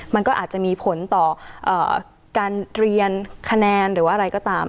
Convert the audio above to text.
มันก็อาจจะมีผลต่อการเรียนคะแนนหรือว่าอะไรก็ตาม